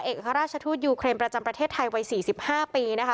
เอกราชทูตยูเครนประจำประเทศไทยวัย๔๕ปีนะคะ